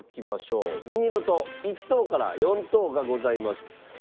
ミニロト１等から４等がございます。